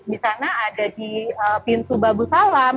di sana ada di pintu babu salam